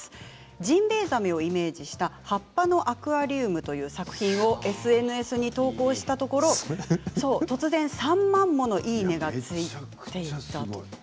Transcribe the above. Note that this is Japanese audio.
ジンベエザメをイメージした「葉っぱのアクアリウム」という作品をＳＮＳに投稿したところ突然、３万ものいいね！がつきます。